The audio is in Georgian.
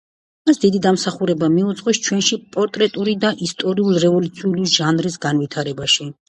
მას დიდი დამსახურება მიუძღვის ჩვენში პორტრეტული და ისტორიულ-რევოლუციური ჟანრის განვითარებაში.